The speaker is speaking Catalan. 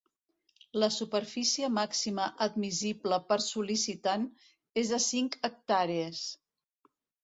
La superfície màxima admissible per sol·licitant és de cinc hectàrees.